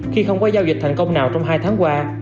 khi không có giao dịch thành công nào trong hai tháng qua